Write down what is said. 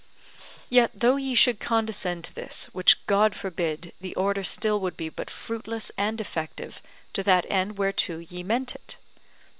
Yet though ye should condescend to this, which God forbid, the Order still would be but fruitless and defective to that end whereto ye meant it.